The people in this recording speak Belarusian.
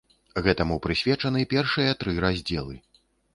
Гэтаму прысвечаны першыя тры раздзелы.